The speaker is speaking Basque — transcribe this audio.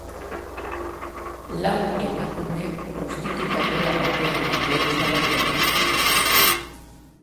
Lau emakume prostituta gela batean daude itxaroten.